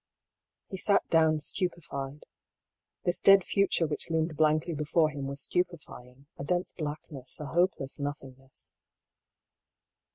He sat down stupefied. This dead future which loomed blankly before him was stupefying — a dense blackness, a hopeless nothingness.